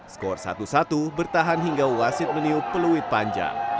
skor satu satu bertahan hingga wasit meniup peluit panjang